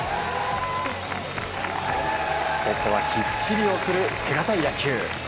ここはきっちり送る手堅い野球。